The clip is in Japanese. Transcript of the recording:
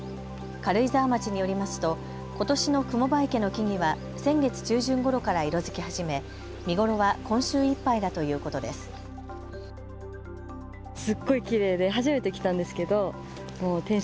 軽井沢町によりますとことしの雲場池の木々は先月中旬ごろから色づき始め見頃は今週いっぱいだということです。